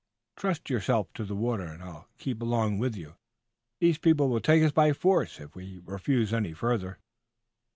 Trust yourself to the water, and I'll keep along with you. These people will take us by force if we refuse any further."